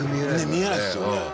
見えないですよね。